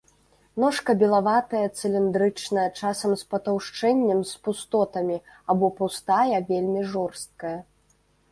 Ножка белаватая, цыліндрычная, часам з патаўшчэннем, з пустотамі або пустая, вельмі жорсткая.